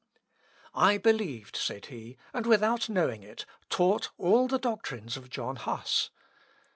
"I believed," said he, "and, without knowing it, taught all the doctrines of John Huss.